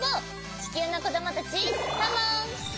ちきゅうのこどもたちカモン！